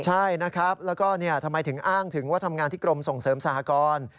ใช่นะครับแล้วก็ทำไมถึงอ้างถึงว่าทำงานที่กรมส่งเสริมสหกร